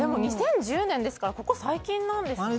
でも２０１０年ですからここ最近なんですね。